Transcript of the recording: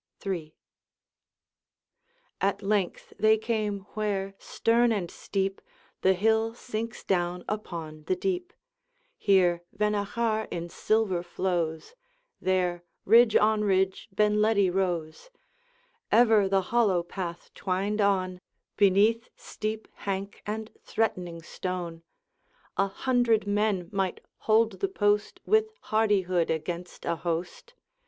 III. At length they came where, stern and steep, The hill sinks down upon the deep. Here Vennachar in silver flows, There, ridge on ridge, Benledi rose; Ever the hollow path twined on, Beneath steep hank and threatening stone; A hundred men might hold the post With hardihood against a host.